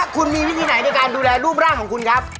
คุณมีวิธีไหนในการดูแลรูปร่างของคุณครับ